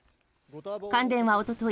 関電はおととい